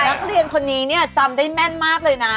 นักเรียนคนนี้เนี่ยจำได้แม่นมากเลยนะ